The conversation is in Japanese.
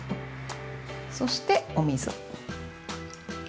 そしてお水。